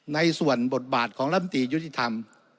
ในส่วนบทบาทของลำตียุติธรรม